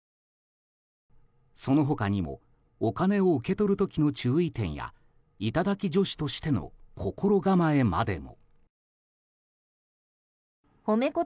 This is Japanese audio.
その他にもお金を受け取る時の注意点や頂き女子としての心構えまでも。